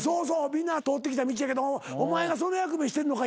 みんな通ってきた道やけどお前がその役目してんのか？